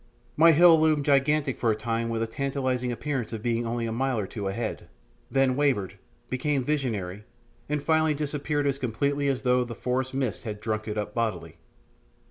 My hill loomed gigantic for a time with a tantalising appearance of being only a mile or two ahead, then wavered, became visionary, and finally disappeared as completely as though the forest mist had drunk it up bodily.